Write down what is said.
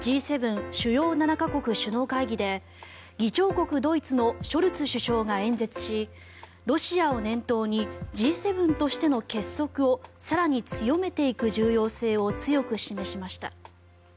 ・主要７か国首脳会議で議長国ドイツのショルツ首相が演説しロシアを念頭にＧ７としての結束を更に強めていく重要性を強く示しました。